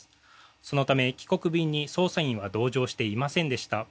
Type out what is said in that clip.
そのため、帰国便に捜査員は同乗していませんでした。